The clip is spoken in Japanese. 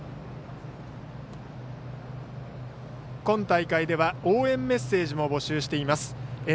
今大会では、応援メッセージも募集しています。